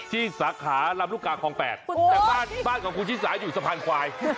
สาขาลำลูกกาคลอง๘แต่บ้านของคุณชิสาอยู่สะพานควาย